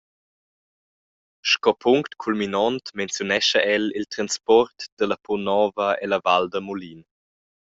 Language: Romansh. Sco punct culminont menziunescha el il transport dalla punt nova ella Val da Mulin.